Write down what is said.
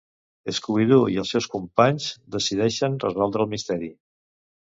Scooby-Doo i els seus companys decideixen resoldre el misteri?